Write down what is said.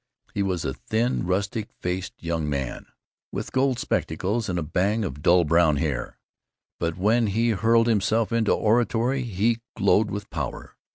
He was a thin, rustic faced young man with gold spectacles and a bang of dull brown hair, but when he hurled himself into oratory he glowed with power.